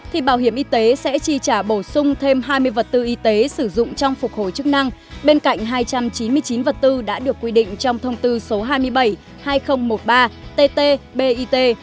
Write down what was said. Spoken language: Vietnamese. thì bảo hiểm y tế sẽ chi trả bổ sung thêm hai mươi vật tư y tế sử dụng trong phục hồi chức năng bên cạnh hai trăm chín mươi chín vật tư đã được quy định trong thông tư số hai mươi bảy hai nghìn một mươi ba tt bit